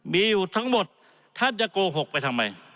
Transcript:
มีอยู่ทั้งหมดท่านจะโกหกไปทำไม